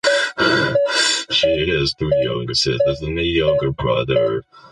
She has two younger sisters and a younger brother.